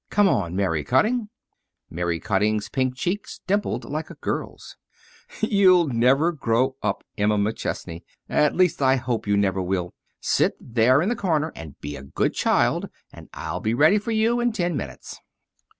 Come on, Mary Cutting." Mary Cutting's pink cheeks dimpled like a girl's. [Illustration: "'You'll never grow up, Emma McChesney'"] "You'll never grow up, Emma McChesney at least, I hope you never will. Sit there in the corner and be a good child, and I'll be ready for you in ten minutes."